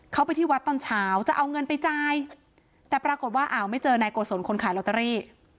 เขาไปที่วัดตอนเช้าจะเอาเงินไปจ่ายแต่ปรากฏว่าอ้าวไม่เจอนายโกศลคนขายลอตเตอรี่